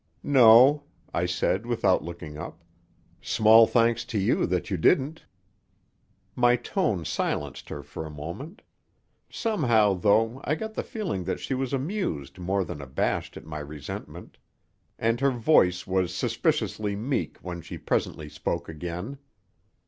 "No," I said without looking up. "Small thanks to you that you didn't!" My tone silenced her for a moment. Somehow, though, I got the feeling that she was amused more than abashed at my resentment. And her voice was suspiciously meek when she presently spoke again.